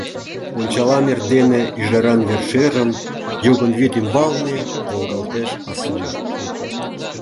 Ончалам эрдене ӱжаран вер-шӧрым: йогын вӱд ӱмбалне волгалтеш асун.